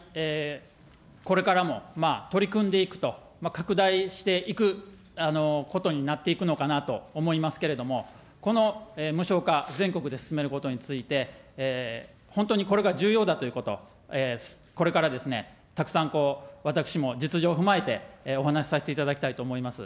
これからも取り組んでいくと、拡大していくことになっていくのかなと思いますけれども、この無償化、全国で進めることについて、本当にこれが重要だということ、これからですね、たくさん私も実情を踏まえて、お話させていただきたいと思います。